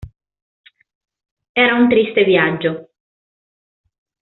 Era un triste viaggio.